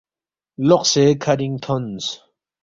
لوقسے کَھرِنگ تھونس